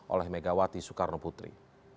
oleh megawati soekarno putri